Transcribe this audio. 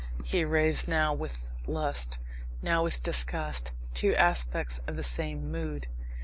He raves now with lust, now with disgust two aspects of the same mood.